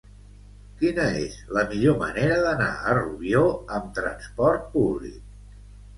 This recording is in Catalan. Quina és la millor manera d'anar a Rubió amb trasport públic?